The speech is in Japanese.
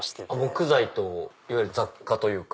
木材といわゆる雑貨というか。